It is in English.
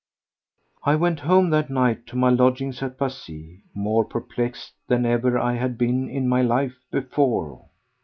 I went home that night to my lodgings at Passy more perplexed than ever I had been in my life before.